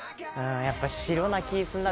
やっぱ白な気ぃするな。